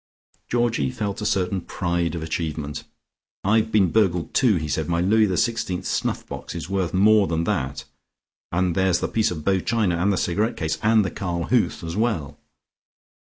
Georgie felt a certain pride of achievement. "I've been burgled, too," he said. "My Louis XVI snuff box is worth more than that, and there's the piece of Bow china, and the cigarette case, and the Karl Huth as well."